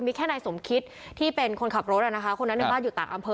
มีแค่นายสมคิตที่เป็นคนขับรถนะคะคนนั้นในบ้านอยู่ต่างอำเภอ